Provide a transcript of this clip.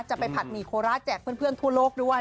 ไปผัดหมี่โคราชแจกเพื่อนทั่วโลกด้วย